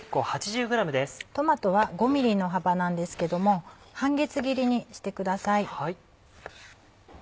トマトは５ｍｍの幅なんですけども半月切りにしてください。